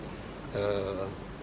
polda metro jaya